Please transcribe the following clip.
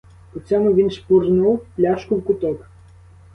По цьому він шпурнув пляшку в куток.